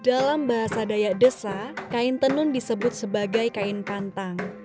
dalam bahasa daya desa kain tenun disebut sebagai kain pantang